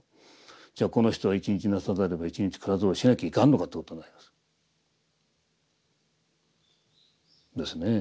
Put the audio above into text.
じゃあこの人は一日作さざれば一日食らわずをしなきゃいかんのかということになります。ですねぇ。